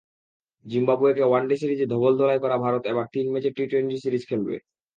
জিম্বাবুয়েকে one day সিরিজে ধবলধোলাই করা ভারত এবার তিন ম্যাচের টি-টোয়েন্টি সিরিজ খেলবে।